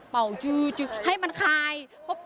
เป่าจื้อให้มันคาย